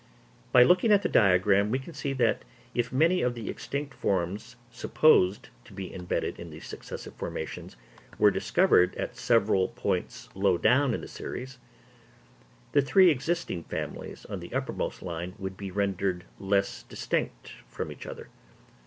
By looking at the diagram we can see that if many of the extinct forms supposed to be embedded in the successive formations, were discovered at several points low down in the series, the three existing families on the uppermost line would be rendered less distinct from each other.